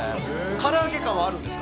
から揚げ感はあるんですか？